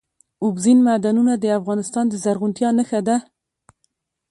اوبزین معدنونه د افغانستان د زرغونتیا نښه ده.